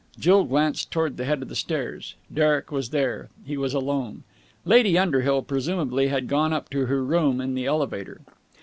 Jill glanced towards the head of the stairs. Derek was there. He was alone. Lady Underhill presumably had gone up to her room in the elevator.